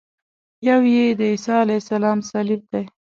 یو یې د عیسی علیه السلام صلیب دی.